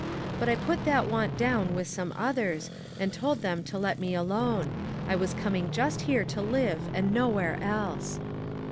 But I put that want down with some others, and told them to let me alone ; I was coming just here to live and nowhere else."